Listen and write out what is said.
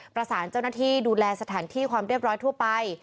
ประสานเจ้าหน้าที่ดูแลสถานที่ความเรียบร้อยทั่วไป